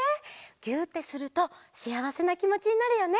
ぎゅってするとしあわせなきもちになるよね。